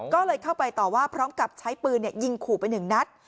ก็เลยเข้าไปต่อว่าพร้อมกับใช้ปืนยิงขู่ไปหนึ่งนัด